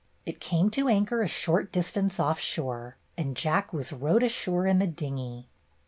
It came to anchor a short distance off shore, and Jack was rowed ashore in the dinghy.